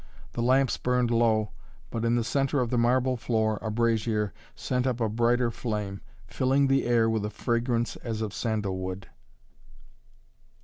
The lamps burned low, but in the centre of the marble floor a brazier sent up a brighter flame, filling the air with a fragrance as of sandal wood.